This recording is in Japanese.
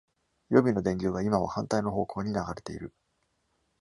予備の電流は、今は反対の方向に流れている。